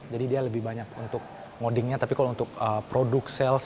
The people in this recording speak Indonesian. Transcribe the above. jadi dia lebih banyak untuk moddingnya tapi kalau untuk produk sales